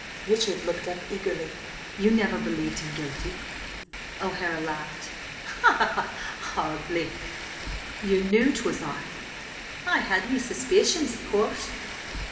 Richard looked up eagerly. "You never believed him guilty?" O'Hara laughed. "Hardly!" "You knew 'twas I?" "I had me suspicions, of course."